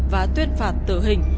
và tuyên phạt tử hình